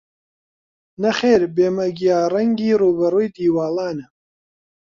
نەخێر بێمە گیاڕەنگی ڕووبەڕووی دیواڵانە